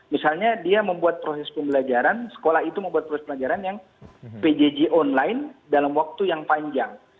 misalnya dia membuat proses pembelajaran sekolah itu membuat proses pelajaran yang pjj online dalam waktu yang panjang